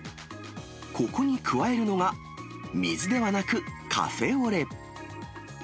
ここに加えるのが、水ではなくカフェオレ。